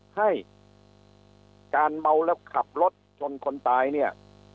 ให้การเมาแล้วขับรถชนคนตายเนี่ย